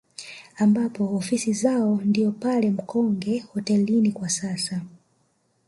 Ambapo ofisi zao ndio pale Mkonge hotelini kwa sasa